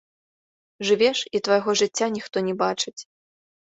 Жывеш, і твайго жыцця ніхто не бачыць.